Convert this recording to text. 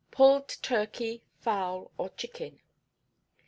Pulled Turkey, Fowl, or Chicken.